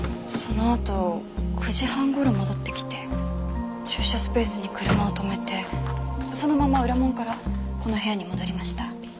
そのあと９時半頃戻ってきて駐車スペースに車を止めてそのまま裏門からこの部屋に戻りました。